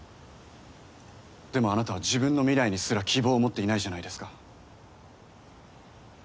でもあなたは自分の未来にすら希望を持っていないじゃないですか。